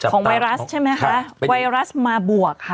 ไวรัสใช่ไหมคะไวรัสมาบวกค่ะ